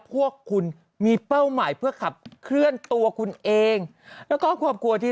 พวกคุณมีเป้าหมายเพื่อขับเคลื่อนตัวคุณเองแล้วก็ครอบครัวที่